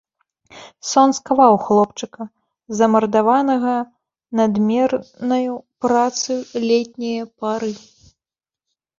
Сон скаваў хлопчыка, замардаванага надмернаю працаю летняе пары.